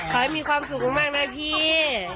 ขอให้มีความสุขมากนะพี่